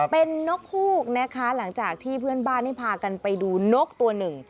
เป็นนกฮูกนะคะหลังจากที่เพื่อนบ้านนี่พากันไปดูนกตัวหนึ่ง